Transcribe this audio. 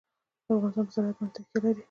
افغانستان په زراعت باندې تکیه لري.